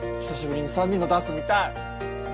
久しぶりに３人のダンス見たい！